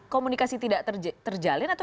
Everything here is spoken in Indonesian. komunikasi tidak terjalin atau